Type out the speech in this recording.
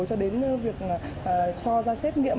cho đến việc cho ra xét nghiệm